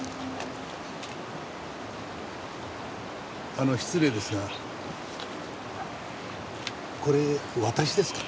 あの失礼ですがこれ私ですか？